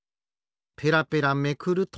ペラペラめくると。